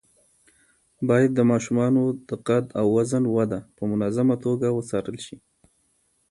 باید د ماشومانو د قد او وزن وده په منظمه توګه وڅارل شي.